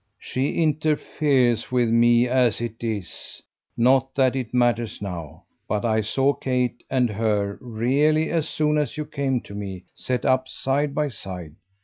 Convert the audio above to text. "She interferes with me as it is not that it matters now. But I saw Kate and her really as soon as you came to me set up side by side.